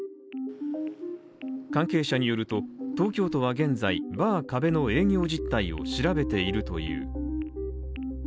関係者によると、東京都は現在、バー「壁」の営業実態を調べているという。